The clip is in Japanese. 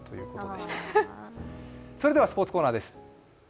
それではスポーツコーナーです。